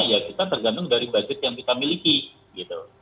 ya kita tergantung dari budget yang kita miliki gitu